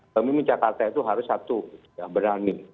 pemimpin jakarta itu harus satu berani